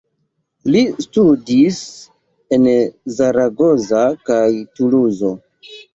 Li studis en Zaragoza kaj Tuluzo.